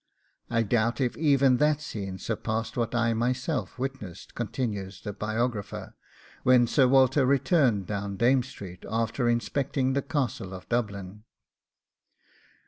'I doubt if even that scene surpassed what I myself witnessed,' continues the biographer, 'when Sir Walter returned down Dame Street after inspecting the Castle of Dublin.